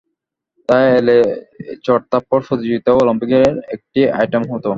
তা এলে চড় থাপ্পড় প্রতিযোগিতাও অলিম্পিকের একটি আইটেম হতো।